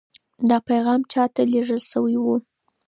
دا پیغام چا ته لېږل شوی و؟